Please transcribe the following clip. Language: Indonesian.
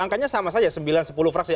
angkanya sama saja sembilan sepuluh fraksi